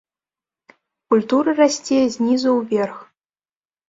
Культура расце знізу ўверх.